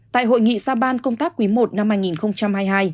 tại hội nghị ra ban công tác quý i năm hai nghìn hai mươi hai